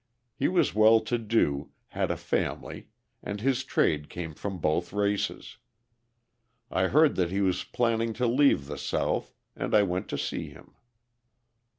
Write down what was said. He was well to do, had a family, and his trade came from both races. I heard that he was planning to leave the South and I went to see him.